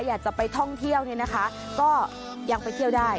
อยากจะไปท่องเที่ยวเนี่ยนะคะก็ยังไปเที่ยวได้